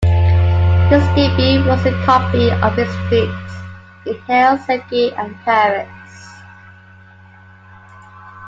His debut was a copy of his feats in Helsinki and Paris.